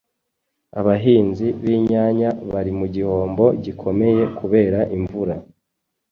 Abahinzi binyanya barimugihombo gikomeye kubera imvura